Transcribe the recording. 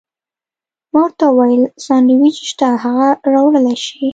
ما ورته وویل: سانډویچ شته، هغه راوړلی شې؟